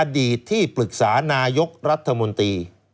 อดีตที่ปรึกษานายกรัฐมนตรี